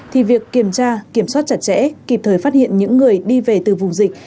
thì việc kiểm tra kiểm soát chặt chẽ kịp thời phát hiện những người đi về từ vùng dịch